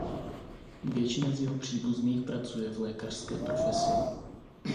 Většina z jeho příbuzných pracuje v lékařské profesi.